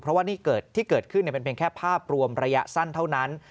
ที่ต้องประเมินดูเพราะว่านี่เกิดขึ้นเป็นแค่ภาพรวมระยะสั้นเท่านั้น